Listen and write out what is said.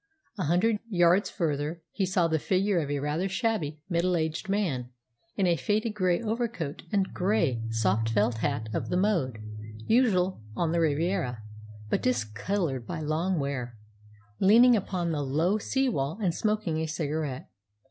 A hundred yards farther on he saw the figure of a rather shabby, middle aged man, in a faded grey overcoat and grey soft felt hat of the mode usual on the Riviera, but discoloured by long wear, leaning upon the low sea wall and smoking a cigarette.